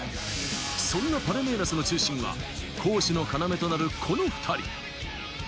そんなパルメイラスの中心は攻守の要となるこの２人。